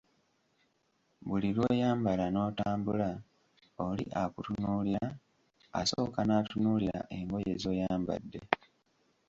Buli lwoyambala notambula, oli akutunuulira, asooka natunuulira engoye zoyambadde.